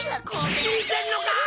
聞いてんのか！